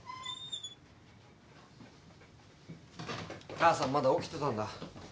・母さんまだ起きてたんだ。